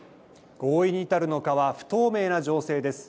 合意に至るのかは不透明な情勢です。